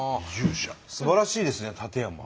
すばらしいですね館山。